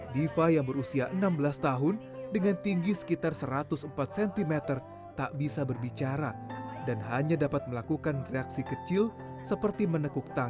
diva juga dikasih obat obatan